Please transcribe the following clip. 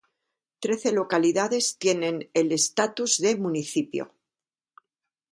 Trece localidades tienen el estatus de municipio.